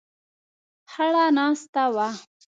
خړه ناسته وه.